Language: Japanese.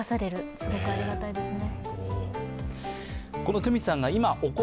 すごくありがたいですね。